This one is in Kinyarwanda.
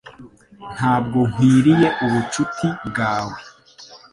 Ntabwo nkwiriye ubucuti bwawe